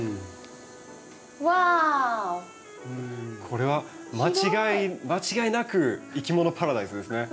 これは間違いなくいきものパラダイスですね。